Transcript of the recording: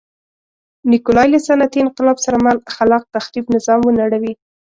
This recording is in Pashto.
نیکولای له صنعتي انقلاب سره مل خلاق تخریب نظام ونړوي.